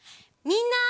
みんな！